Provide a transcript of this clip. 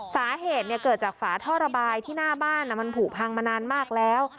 สาเหตุเกิดจากฝาท่อระบายที่หน้าบ้านมันผูกพังมานานมากแล้ว